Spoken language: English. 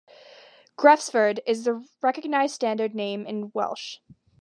"Gresffordd" is the recognised standard name in Welsh.